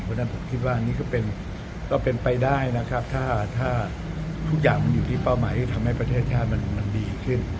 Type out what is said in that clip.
เพราะฉะนั้นผมคิดว่านี่ก็เป็นไปได้นะครับถ้าทุกอย่างมันอยู่ที่เป้าหมายที่ทำให้ประเทศชาติมันดีขึ้น